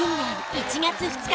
１月２日